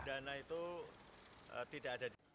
dan itu tidak ada di